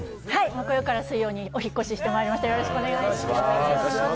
木曜から水曜日へお引っ越ししてきました。